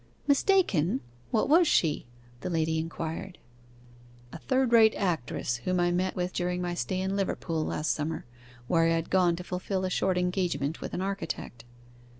'Mistaken! what was she?' the lady inquired. 'A third rate actress, whom I met with during my stay in Liverpool last summer, where I had gone to fulfil a short engagement with an architect.